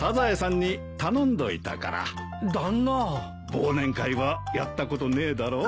忘年会はやったことねえだろう？